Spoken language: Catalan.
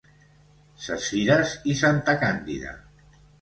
Ses Fires i Santa Càndida.